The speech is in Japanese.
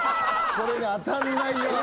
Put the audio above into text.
これね当たんない。